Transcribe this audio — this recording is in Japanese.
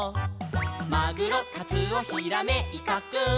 「マグロカツオヒラメイカくん」